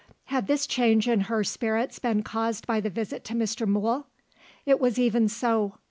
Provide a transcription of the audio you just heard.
Had this change in her spirits been caused by the visit to Mr. Mool? It was even so.